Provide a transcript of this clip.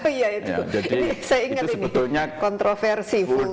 oh iya itu saya ingat ini kontroversi full day